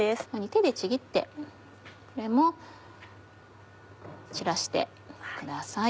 手でちぎってこれも散らしてください。